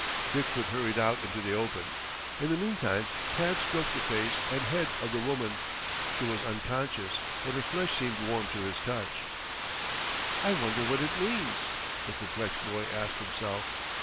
Big foot hurried out into the open. In the meantime Tad stroked the face and head of the woman. She was unconscious, but her flesh seemed warm to his touch. "I wonder what it means," the perplexed boy asked himself.